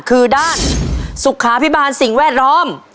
คือด้านสุขาพิบาลสิ่งแวดล้อม